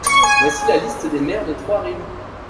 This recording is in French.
Voici la liste des maires de Trois-Rives.